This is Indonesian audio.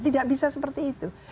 tidak bisa seperti itu